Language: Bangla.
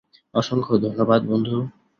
অসংখ্য ধন্যবাদ, বন্ধু।